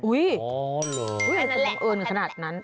อ๋อเหรอมันเป็นความบังเอิญขนาดนั้น